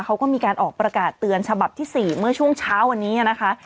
เขาก็มีการออกประกาศเตือนฉบับที่๔เมื่อช่วงเช้าวันนี้นะคะ